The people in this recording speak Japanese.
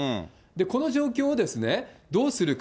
この状況をどうするか。